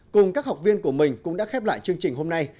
cùng các học viên của mình cũng đã khép lại chương trình hôm nay